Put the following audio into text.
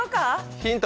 ヒント